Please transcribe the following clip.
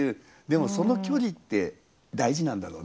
でもその距離って大事なんだろうね多分。